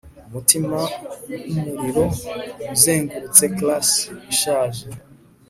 Umutima nkumuriro uzengurutse classe ishaje